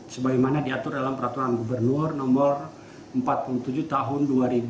sebagaimana diatur dalam peraturan gubernur no empat puluh tujuh tahun dua ribu dua puluh